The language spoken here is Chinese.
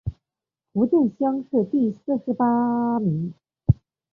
福建乡试第四十八名。